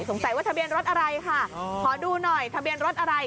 ว่าทะเบียนรถอะไรค่ะขอดูหน่อยทะเบียนรถอะไร